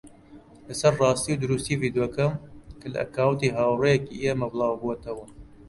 لەسەر ڕاستی و دروستی ڤیدیۆکە کە لە ئەکاونتی هاوڕێیەکی ئێمە بڵاوبووەتەوە